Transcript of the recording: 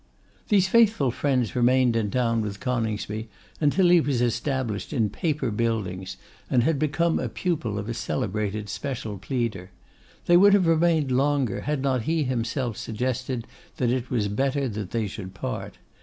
These faithful friends remained in town with Coningsby until he was established in Paper Buildings, and had become a pupil of a celebrated special pleader. They would have remained longer had not he himself suggested that it was better that they should part.